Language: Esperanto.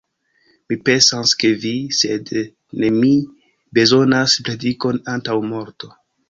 Mi pensas, ke vi, sed ne mi, bezonas predikon antaŭ morto.